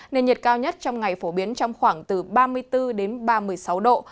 nền nhiệt cao nhất trong ngày phổ biến trong khoảng từ ba mươi bốn đến ba mươi sáu độ